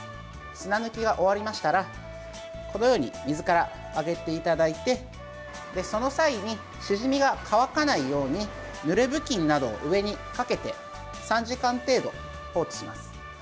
砂抜きが終わりましたらこのように水からあげていただいてその際にシジミが乾かないようにぬれ布巾などを上にかけて３時間程度、放置します。